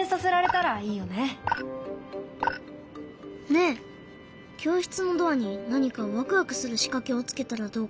ねえ教室のドアに何かワクワクするしかけをつけたらどうかな？